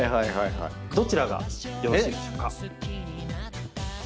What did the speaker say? どちらがよろしいでしょうか？